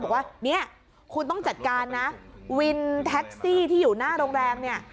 บอกว่าเนี่ยคุณต้องจัดการนะวินแท็กซี่ที่อยู่หน้าโรงแรมเนี่ย